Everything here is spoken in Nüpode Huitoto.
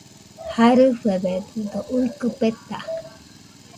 Jarɨfededɨdo uikɨ peta